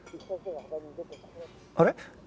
あれ？